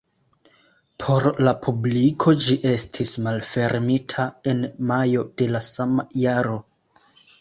Por la publiko ĝi estis malfermita en majo de la sama jaro.